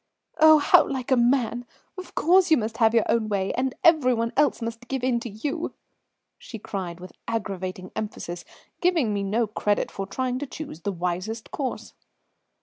"Oh, how like a man! Of course you must have your own way, and every one else must give in to you," she cried with aggravating emphasis, giving me no credit for trying to choose the wisest course.